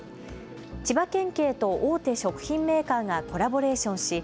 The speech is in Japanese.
千葉県警と大手食品メーカーがコラボレーションし